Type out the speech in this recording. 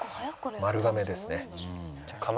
丸亀ですね。